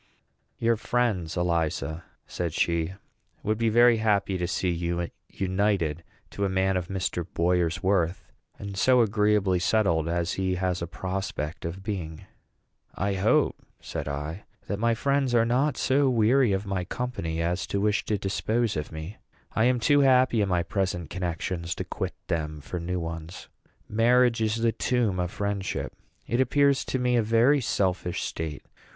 "Your friends, Eliza," said she, "would be very happy to see you united to a man of Mr. Boyer's worth, and so agreeably settled as he has a prospect of being." "I hope," said I, "that my friends are not so weary of my company as to wish to dispose of me. I am too happy in my present connections to quit them for new ones. Marriage is the tomb of friendship. It appears to me a very selfish state.